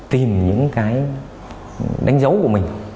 tìm những cái đánh dấu của mình